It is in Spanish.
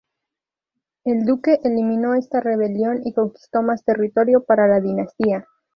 El duque eliminó esta rebelión y conquistó más territorio para la dinastía.